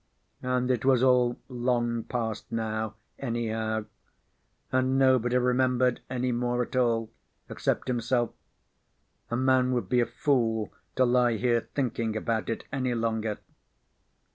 And it was all long past now, anyhow; and nobody remembered any more at all, except himself. A man would be a fool to lie here thinking about it any longer.